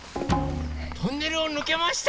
トンネルをぬけました！